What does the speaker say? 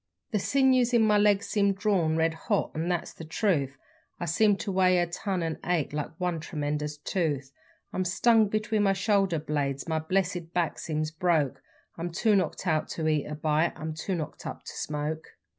The sinews in my legs seem drawn, red hot 'n that's the truth; I seem to weigh a ton, and ache like one tremendous tooth; I'm stung between my shoulder blades my blessed back seems broke; I'm too knocked out to eat a bite I'm too knocked up to smoke.